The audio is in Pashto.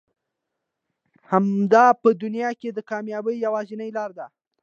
همدا په دنيا کې د کاميابي يوازنۍ لاره ده.